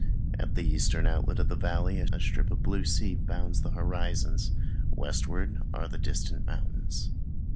At the eastern outlet of the valley a strip of blue sea bounds the horizon; westward are the distant mountains.